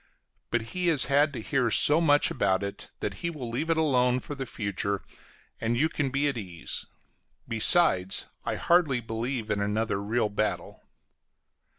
But he has had to hear so much about it, that he will leave it alone for the future, and you can be at ease; besides, I hardly believe in another real battle.